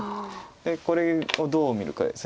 でこれをどう見るかです。